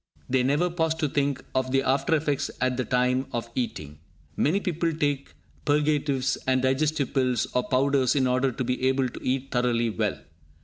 They never pause to think of the after effects at the time of eating. Many people take purgatives and digestive pills or powders in order to be able to eat thoroughly well.